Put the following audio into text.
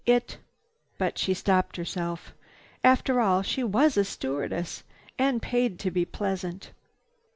It—" But she stopped herself. After all, she was a stewardess, being paid to be pleasant.